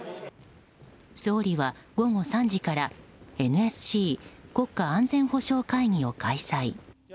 総理は午後３時からＮＳＣ・国家安全保障会議を開催。